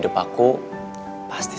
nah anak kondisi